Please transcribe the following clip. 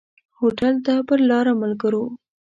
هوټل ته پر لاره ملګرو.